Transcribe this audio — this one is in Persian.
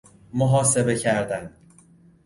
محاسبه کردن